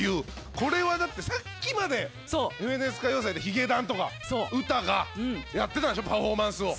これはだってさっきまで『ＦＮＳ歌謡祭』で髭男とかウタがやってたんでしょパフォーマンスを。